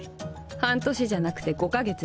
半年じゃなくて５か月です。